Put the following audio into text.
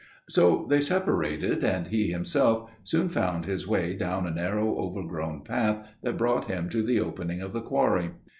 "So they separated, and he himself soon found his way down a narrow overgrown path that brought him to the opening of the quarry.